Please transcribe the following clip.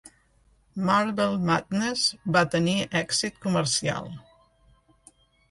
"Marble Madness" va tenir èxit comercial.